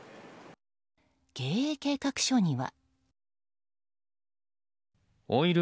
経営計画書には。